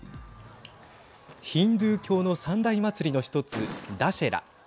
ヒンドゥー教の３大祭りの１つダシェラ。